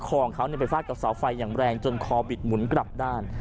ของเขาไปฟาดกับเสาไฟอย่างแรงจนคอบิดหมุนกลับด้าน